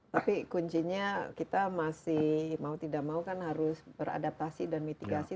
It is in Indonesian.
tapi kuncinya kita masih mau tidak mau kan harus beradaptasi dan mitigasi